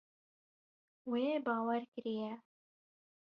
Wê bawer kiriye.